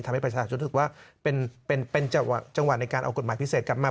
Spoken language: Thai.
ทำให้ประชาชนรู้สึกว่าเป็นจังหวะในการเอากฎหมายพิเศษกลับมา